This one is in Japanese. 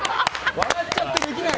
笑っちゃってできない！